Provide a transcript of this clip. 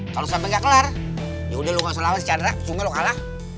kalo sampe gak kelar ya udah lo gak usah lawan si cadra percuma lo kalah